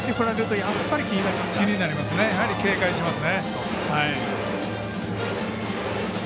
やはり警戒しますね。